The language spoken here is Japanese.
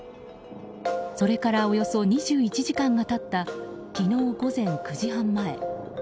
それからおよそ２１時間が経った昨日午前９時半前。